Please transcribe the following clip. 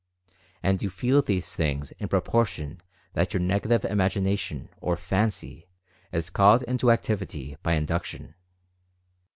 And you feel these things in propor tion that your Negative Imagination or Fancy is called into activity by induction.